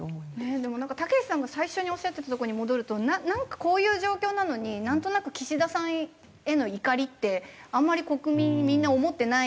でもなんかたけしさんが最初におっしゃってたとこに戻るとなんかこういう状況なのになんとなく岸田さんへの怒りってあんまり国民みんな思ってないような。